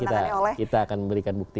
dijawab oleh itu yang akan kita memberikan bukti